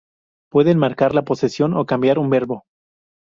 Pueden marcar la posesión o cambiar un verbo.